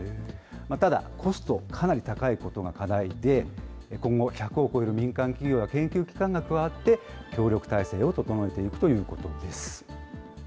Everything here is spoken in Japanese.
ただ、コスト、かなり高いことが課題で、今後、１００を超える民間企業や研究機関が加わって、協力態勢を整えていくということです。